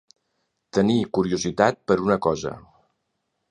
Tenir curiositat per una cosa.